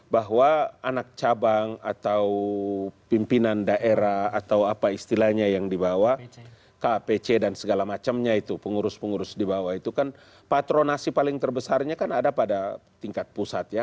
bahwa anak cabang atau pimpinan daerah atau apa istilahnya yang dibawa kpc dan segala macamnya itu pengurus pengurus di bawah itu kan patronasi paling terbesarnya kan ada pada tingkat pusat ya